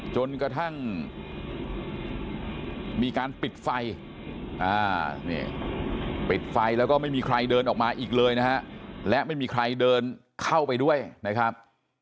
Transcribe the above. จนกระทั่งมีการปิดไฟปิดไฟแล้วก็ไม่มีใครเดินออกมาอีกเลยนะฮะและไม่มีใครเดินเข้าไปด้วยนะครับ